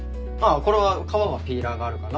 これは皮はピーラーがあるから。